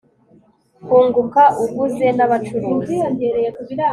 kunguka uguze n'abacuruzi